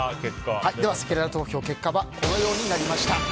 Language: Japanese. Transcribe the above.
せきらら投票の結果このようになりました。